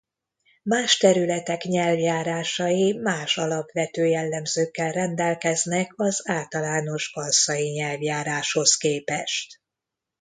Más területek nyelvjárásai más alapvető jellemzőkkel rendelkeznek az általános kanszai nyelvjáráshoz képest.